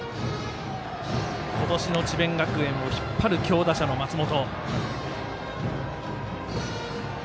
今年の智弁学園を引っ張る強打者の松本。